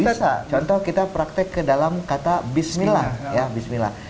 bisa contoh kita praktek ke dalam kata bismillah